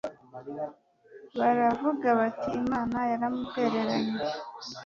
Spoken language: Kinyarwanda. Baravuga bati Imana yaramutereranye